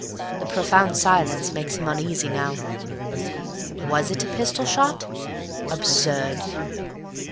The profound silence makes him uneasy now. Was it a pistol shot? Absurd!